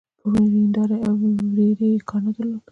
په وريندارې او ورېرې يې کار نه درلود.